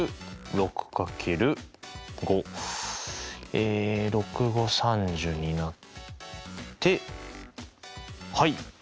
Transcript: え６×５＝３０になってはい。